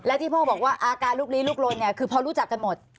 และที่พ่อบอกว่าอาการลูกลี้ลูกล้นคือพ่อรู้จับกันหมด